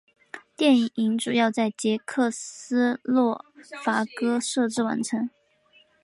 电影主要在捷克斯洛伐克摄制完成。